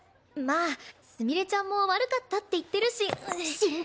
まあすみれちゃんも「悪かった」って言ってるし。